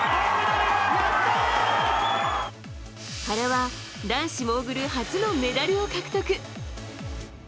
原は男子モーグル初のメダルを獲得。